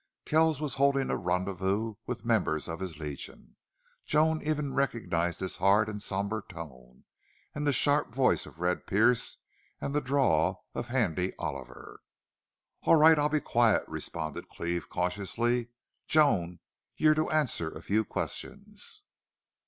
Kells was holding a rendezvous with members of his Legion. Joan even recognized his hard and somber tone, and the sharp voice of Red Pearce, and the drawl of Handy Oliver. "All right. I'll be quiet," responded Cleve, cautiously. "Joan, you're to answer a few questions."